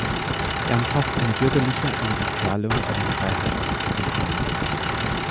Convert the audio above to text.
Er umfasst eine bürgerliche, eine soziale und eine freiheitliche Komponente.